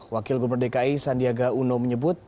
wakil gubernur dki sandiaga uno menyebut